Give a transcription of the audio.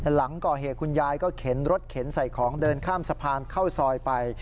หลังก่อเหตุคุณยายก็เข็นรถเข็นใส่ของเดินข้ามสะพานเข้าซอยไป